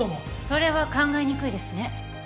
それは考えにくいですね。